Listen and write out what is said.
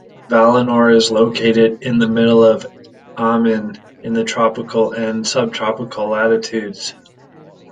Valinor is located in the middle of Aman, in the tropical and subtropical latitudes.